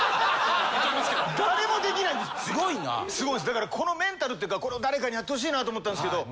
だからこのメンタルっていうか誰かにやってほしいなと思ったんですけど。